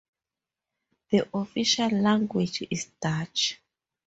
The official language is Dutch.